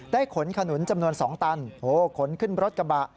ขนขนุนจำนวน๒ตันขนขึ้นรถกระบะ